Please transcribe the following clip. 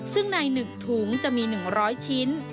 ซึ่งใน๑ถุงจะมี๑๐๐ชิ้น